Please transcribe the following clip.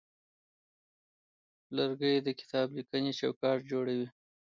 لرګی د کتابلیکنې چوکاټ جوړوي.